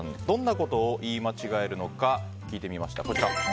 どんなことを言い間違えるのか聞いてみました。